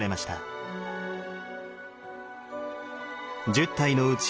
１０体のうち